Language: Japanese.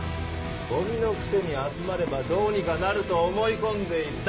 ゴミのくせに集まればどうにかなると思い込んでいる。